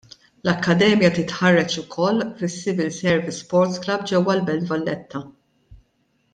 L-akkademja titħarreġ ukoll fis-Civil Service Sports Club ġewwa l-Belt Valletta.